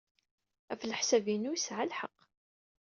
Ɣef leḥsab-inu, yesɛa lḥeqq.